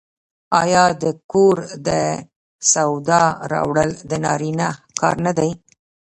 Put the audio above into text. آیا د کور د سودا راوړل د نارینه کار نه دی؟